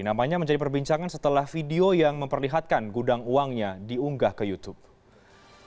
namanya menjadi perbincangan setelah video yang memperlihatkan gudang uangnya diunggah ke youtube